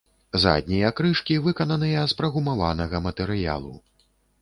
Заднія крышкі выкананыя з прагумаванага матэрыялу.